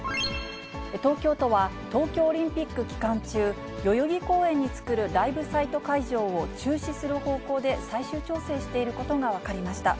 東京都は東京オリンピック期間中、代々木公園に作るライブサイト会場を中止する方向で最終調整していることが分かりました。